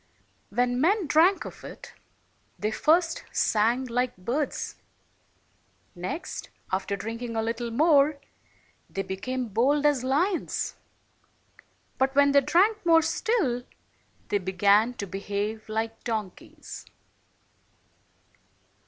When men drank of it, they first sang like birds ; next, after drinking a little more, they became bold as lions; but when they drank more still, they began to behave like donkeys.